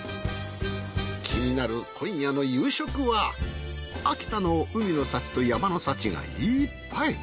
気になる今夜の夕食は秋田の海の幸と山の幸がいっぱい。